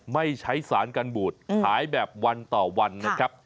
ไม่ใช้สารกันบูดขายแบบวันต่อวันนะครับ